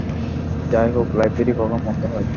যাইহোক, লাইব্রেরি কখন বন্ধ হয়?